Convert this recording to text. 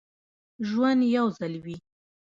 ژوند یو ځل وي